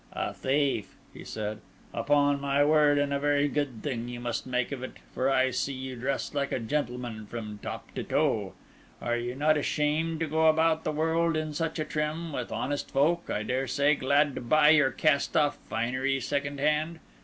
"A thief!" he said. "Upon my word, and a very good thing you must make of it; for I see you dressed like a gentleman from top to toe. Are you not ashamed to go about the world in such a trim, with honest folk, I dare say, glad to buy your cast off finery second hand?